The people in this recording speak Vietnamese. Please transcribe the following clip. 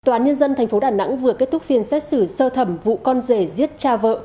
tòa án nhân dân tp đà nẵng vừa kết thúc phiên xét xử sơ thẩm vụ con rể giết cha vợ